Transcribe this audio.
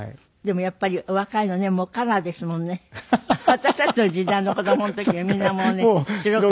私たちの時代の子供の時にはみんなもうね白黒。